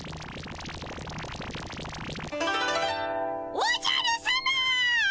おじゃるさま！